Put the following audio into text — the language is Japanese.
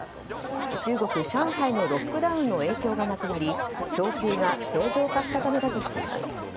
中国・上海のロックダウンの影響がなくなり供給が正常化したためだとしています。